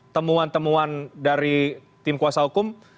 temuan temuan dari tim kuasa hukum